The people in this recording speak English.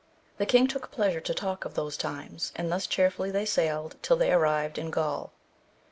The king took pleasure to talk of those times, and thus cheerfully they sailed till they arrived in Gaul.